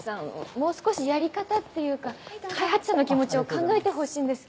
もう少しやり方っていうか開発者の気持ちを考えてほしいんですけど。